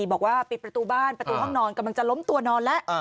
บอกว่าปิดประตูบ้านประตูห้องนอนกำลังจะล้มตัวนอนแล้ว